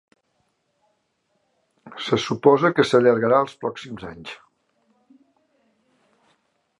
Se suposa que s'allargarà els pròxims anys.